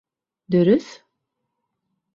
Дөрөҫ?